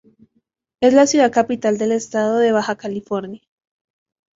Es la ciudad capital del estado de Baja California.